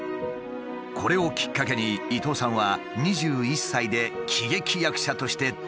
これをきっかけに伊東さんは２１歳で喜劇役者としてデビュー。